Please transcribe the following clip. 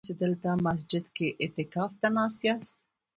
تاسي دلته مسجد کي اعتکاف ته ناست ياست؟